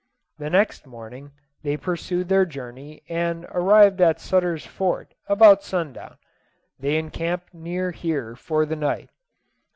The next morning they pursued their journey and arrived at Sutter's Fort about sundown; they encamped near here for the night.